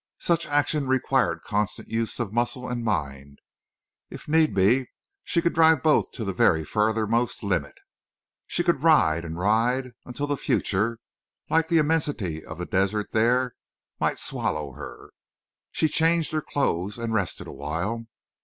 Such action required constant use of muscle and mind. If need be she could drive both to the very furthermost limit. She could ride and ride—until the future, like the immensity of the desert there, might swallow her. She changed her clothes and rested a while.